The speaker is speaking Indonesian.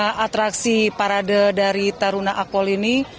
adanya atraksi parade dari taruna akwal ini